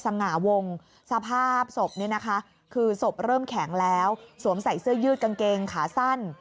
สง่าวงสภาพศพเนี่ยนะคะคือศพเริ่มแข็งแล้วสวมใส่เสื้อยืดกางเกงขาสั้น